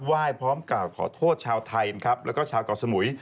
ไหว้พร้อมกล่าวขอโทษชาวไทยนะครับแล้วก็ชาวเกาะสมุย